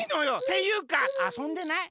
ていうかあそんでない？